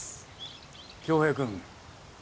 恭平君。